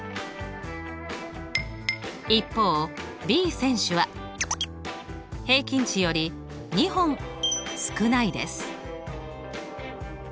一方Ｂ選手は平均値より２本少ないです。